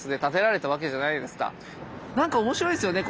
なんか面白いですよね。